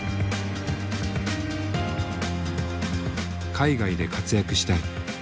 「海外で活躍したい」。